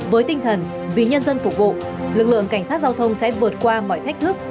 với tinh thần vì nhân dân phục vụ lực lượng cảnh sát giao thông sẽ vượt qua mọi thách thức